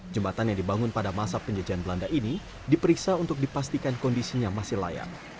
jembatan yang dibangun pada masa penjajahan belanda ini diperiksa untuk dipastikan kondisinya masih layak